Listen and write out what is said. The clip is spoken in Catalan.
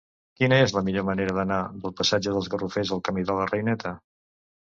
Quina és la millor manera d'anar del passatge dels Garrofers al camí de la Reineta?